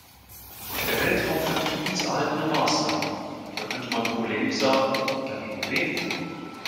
Der Weltraum für friedenserhaltende Maßnahmen, da könnte man polemisch sagen, ja gegen wen?